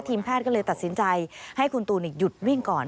แพทย์ก็เลยตัดสินใจให้คุณตูนหยุดวิ่งก่อน